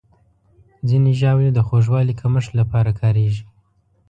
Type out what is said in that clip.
ځینې ژاولې د خوږوالي کمښت لپاره کارېږي.